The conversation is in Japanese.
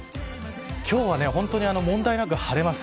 今日は問題なく晴れます。